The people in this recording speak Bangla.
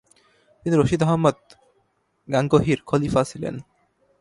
তিনি রশিদ আহমদ গাঙ্গুহির খলিফা ছিলেন।